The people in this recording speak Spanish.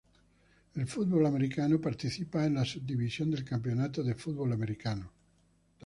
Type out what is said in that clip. El football americano participa en la Subdivisión del Campeonato de Football Americano.